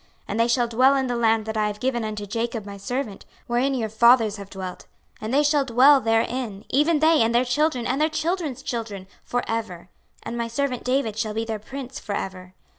26:037:025 And they shall dwell in the land that I have given unto Jacob my servant, wherein your fathers have dwelt; and they shall dwell therein, even they, and their children, and their children's children for ever: and my servant David shall be their prince for ever.